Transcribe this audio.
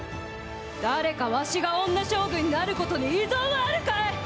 誰かわしが女将軍になることに異存はあるかえ！